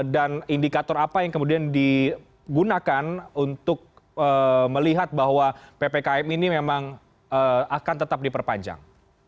dan indikator apa yang kemudian digunakan untuk melihat bahwa ppkm ini memang akan tetap diperpanjang